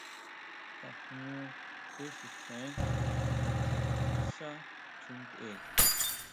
Tajñú kuisutjen nga tjín xá xi ntʼe.